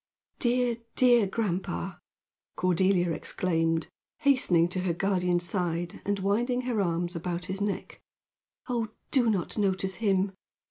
"Dear, dear grandpa!" Cordelia exclaimed, hastening to her guardian's side and winding her arms about his neck. "Oh, do not notice him.